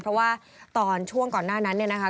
เพราะว่าตอนช่วงก่อนหน้านั้นเนี่ยนะคะ